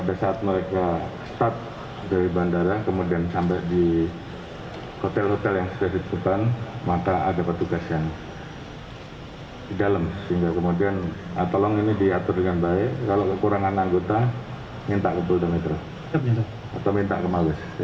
atau minta kemahus